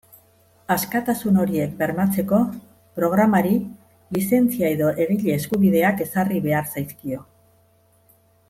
Askatasun horiek bermatzeko, programari lizentzia edo egile-eskubideak ezarri behar zaizkio.